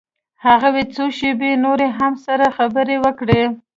هغوى څو شېبې نورې هم سره خبرې وکړې.